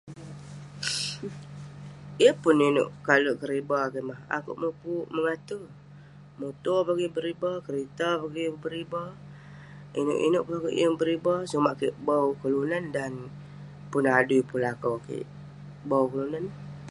Yeng pun ineuk kalek keriba kik mah, akeuk mukuk mengate. Muto pe akek yeng beriba, kerita peh akek yeng beriba, ineuk-ineuk peh akeuk yeng beriba. Sumak kek bau kelunan dan pun adui pun lakau kik, bau kelunan.